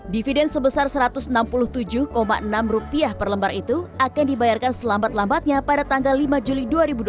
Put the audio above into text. dividen sebesar rp satu ratus enam puluh tujuh enam per lembar itu akan dibayarkan selambat lambatnya pada tanggal lima juli dua ribu dua puluh